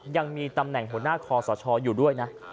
ยังมีตำแหน่งหัวหน้าคอสชอยู่ด้วยนะ